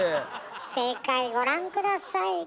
正解ご覧下さい。